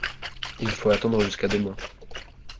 Il faut attendre jusqu’à demain.